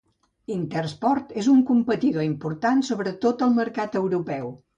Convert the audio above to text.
Intersport és un competidor important sobre tot al mercat europeu.